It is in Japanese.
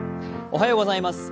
おはようございます。